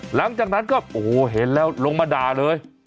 หลังจากนั้นก็โอ้โหเห็นแล้วลงมาด่าเลย